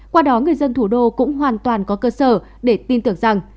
qua đó người dân thủ đô cũng hoàn toàn có cơ sở để tin tưởng rằng